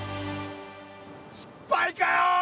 失敗かよ！